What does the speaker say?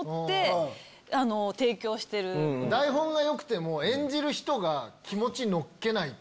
台本がよくても演じる人が気持ち乗っけないと。